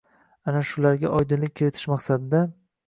Ana shularga oydinlik kiritish maqsadida